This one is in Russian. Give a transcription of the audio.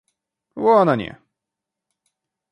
Вон они!